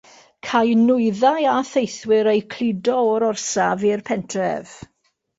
Câi nwyddau a theithwyr eu cludo o'r orsaf i'r pentref.